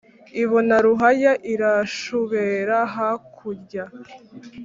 ibona ruhaya irashubera hakulya.